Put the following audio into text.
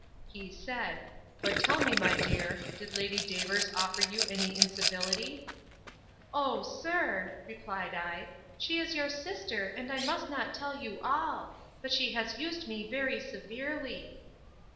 He said, But tell me, my dear, did Lady Davers offer you any incivility? O sir, replied I, she is your sister, and I must not tell you all; but she has used me very severely!